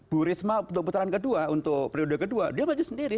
bu risma untuk putaran kedua untuk periode kedua dia maju sendiri